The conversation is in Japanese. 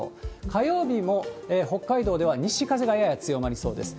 火曜日も北海道では西風がやや強まりそうです。